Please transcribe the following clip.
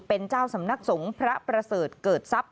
เป็นเจ้าสำนักสงฆ์พระประเสริฐเกิดทรัพย